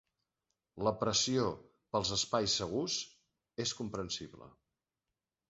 La pressió pels espais segurs és comprensible.